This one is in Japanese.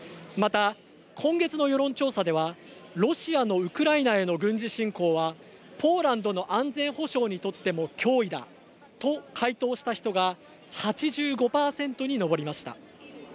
今月の世論調査では「ロシアのウクライナへの軍事侵攻はポーランドの安全保障にとっても脅威だ」と回答した人が実に８５％に上りました。